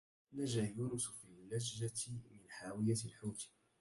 نجا يونس في اللجة من حاوية الحوت